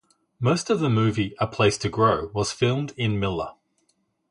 Most of the movie A Place to Grow was filmed in Miller.